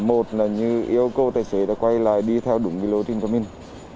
một là như yêu cầu tài xế đã quay lại đi theo đúng lộ trình của mình